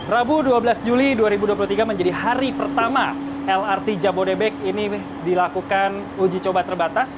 rabu dua belas juli dua ribu dua puluh tiga menjadi hari pertama lrt jabodebek ini dilakukan uji coba terbatas